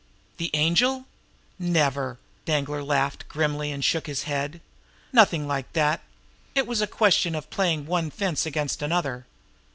"The Angel? Never!" Danglar laughed grimly, and shook his head. "Nothing like that! It was a question of playing one 'fence' against another.